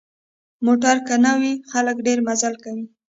موټر که نه وي، خلک ډېر مزل کوي.